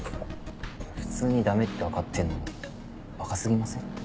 普通にダメって分かってんのにバカ過ぎません？